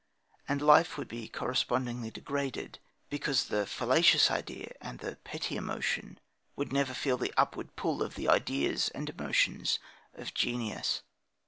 And life would be correspondingly degraded, because the fallacious idea and the petty emotion would never feel the upward pull of the ideas and emotions of genius.